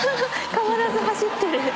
変わらず走ってる。